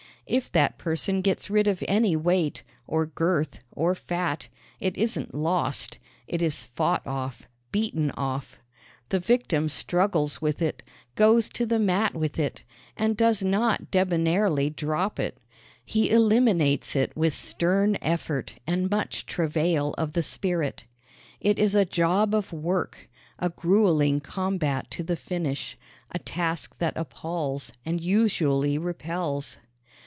If that person gets rid of any weight, or girth, or fat, it isn't lost it is fought off, beaten off. The victim struggles with it, goes to the mat with it, and does not debonairly drop it. He eliminates it with stern effort and much travail of the spirit. It is a job of work, a grueling combat to the finish, a task that appalls and usually repels.